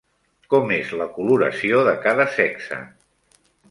Com és la coloració de cada sexe?